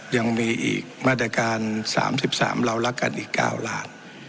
ยังมีอีกมาตรการ๓๓เรารักกันอีก๙ล้าน